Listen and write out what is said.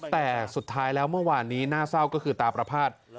แต่สุดท้ายแล้วเมื่อวานนี้น่าเศร้าก็คือตาประพาท